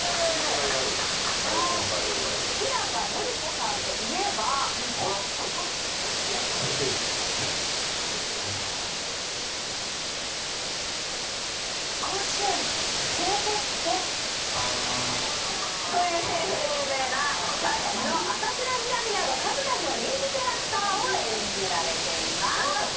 日高のり子さんといえば甲子園、連れてって。というせりふで有名な「タッチ」の浅倉南など、数々の人気キャラクターを演じられています。